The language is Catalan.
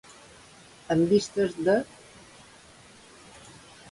En vistes de.